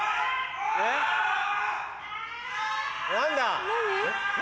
・何だ？